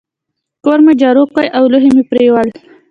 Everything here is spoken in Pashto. کور مي جارو کی او لوښي مي پرېولل.